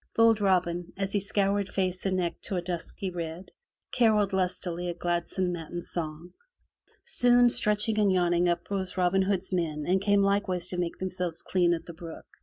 Bold Robin, as he scoured face and neck to a dusky red, caroled lustily a gladsome matin song. Soon, stretching and yawning, up rose Robin Hood's men and 51 MY BOOK HOUSE came likewise to make themselves clean at the brook.